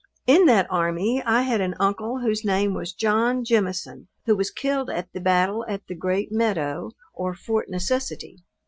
In that army I had an uncle, whose name was John Jemison who was killed at the battle at the Great Meadow or Fort Necessity.